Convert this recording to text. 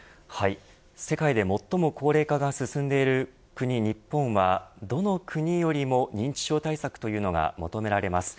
世界で最も高齢化が進んでいる国、日本はどの国よりも認知症対策というのが求められます。